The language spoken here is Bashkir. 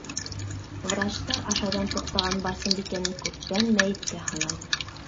Врачтар ашауҙан туҡтаған Барсынбикәне күптән мәйеткә һанай.